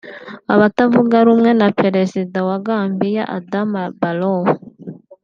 Abatavugarumwe na Perezida wa Gambia Adama Barrow